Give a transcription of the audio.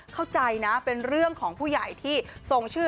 เข้าใจนะเป็นเรื่องของผู้ใหญ่ที่ส่งชื่อ